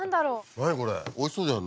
何これおいしそうじゃん何か。